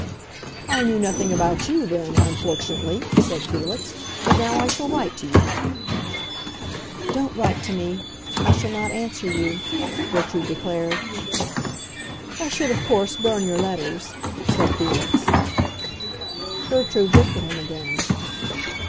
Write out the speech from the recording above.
"I knew nothing about you then, unfortunately," said Felix. "But now I shall write to you." "Don't write to me. I shall not answer you," Gertrude declared. "I should of course burn your letters," said Felix. Gertrude looked at him again.